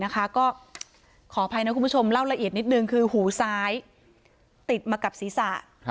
ก็ขออภัยนะคุณผู้ชมเล่าละเอียดนิดนึงคือหูซ้ายติดมากับศีรษะ